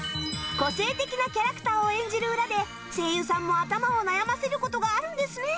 個性的なキャラクターを演じる裏で声優さんも頭を悩ませる事があるんですね